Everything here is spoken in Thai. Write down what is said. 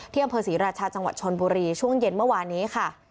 อำเภอศรีราชาจังหวัดชนบุรีช่วงเย็นเมื่อวานนี้ค่ะ